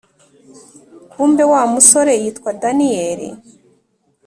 kumbe wa musore yitwa daniel!”.